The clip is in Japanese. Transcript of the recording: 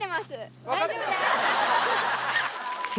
大丈夫です！